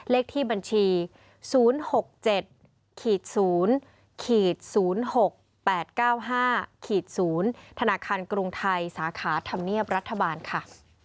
เลขที่บัญชี๐๖๗๐๐๖๘๙๕๐ธนาคารกรุงไทยสาขาธรรมเนียบรัฐบาลค่ะ